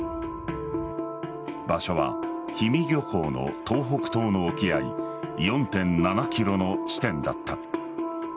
場所は氷見漁港の東北東の沖合４．７ｋｍの地点だった。